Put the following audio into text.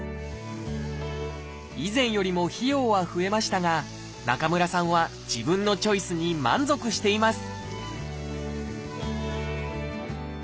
以前よりも費用は増えましたが中村さんは自分のチョイスに満足しています